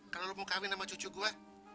kalau mau kawin sama cucu gue